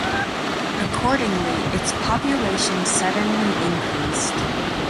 Accordingly, its population suddenly increased.